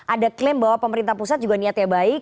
ada klaim bahwa pemerintah pusat juga niatnya baik